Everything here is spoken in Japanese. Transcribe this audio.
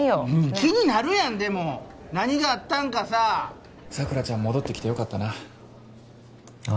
気になるやんでも何があったんかさ佐倉ちゃん戻ってきてよかったなあ